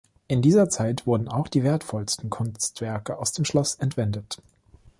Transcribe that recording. In dieser Zeit wurden auch die wertvollsten Kunstwerke aus dem Schloss entwendet.